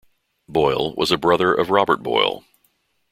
Boyle was a brother of Robert Boyle.